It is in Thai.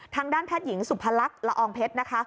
ทางด้านแพทย์หญิงสุพรรคละอองเพชรนะคะ